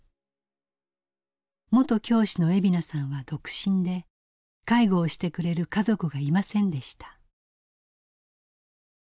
元教師の惠美奈さんは独身で介護をしてくれる家族がいませんでした。